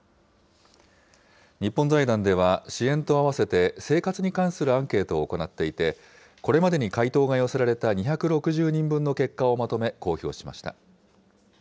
日本財団では支援とあわせて生活に関するアンケートを行っていて、これまでに回答が寄せられた２６０人分の結果をまとめ、公表しました。